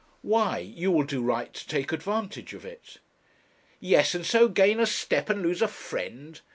'Why, you will do right to take advantage of it.' 'Yes, and so gain a step and lose a friend!'